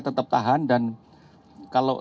tetap tahan dan kalau